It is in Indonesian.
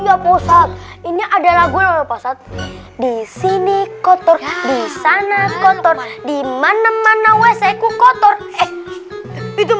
ya posat ini adalah gue posat di sini kotor di sana kotor di mana mana wc ku kotor itu